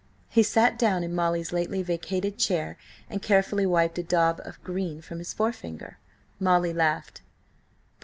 He sat down in Molly's lately vacated chair, and carefully wiped a daub of green from his forefinger. Molly laughed.